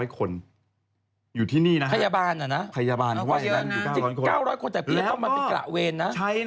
๙๐๐คนแต่ปีนจะต้องมาเป็นกระเวรนะ